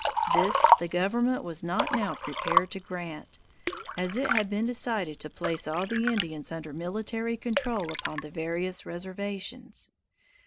This the government was not now prepared to grant, as it had been decided to place all the Indians under military control upon the various reservations.